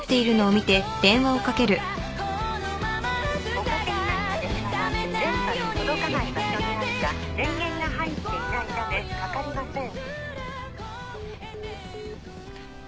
おかけになった電話は電波の届かない場所にあるか電源が入っていないためかかりません。